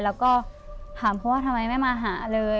แล้วก็ถามเขาว่าทำไมไม่มาหาเลย